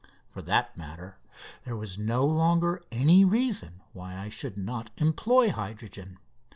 For that matter, there was no longer any reason why I should not employ hydrogen.